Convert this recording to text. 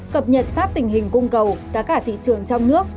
cập nhật sát tình hình cung cầu giá cả thị trường trong nước